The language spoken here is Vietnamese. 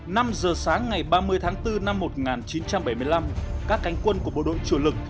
năm giờ sáng ngày ba mươi tháng bốn năm một nghìn chín trăm bảy mươi năm các cánh quân của bộ đội chủ lực